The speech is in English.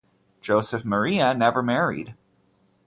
Joseph Maria never married.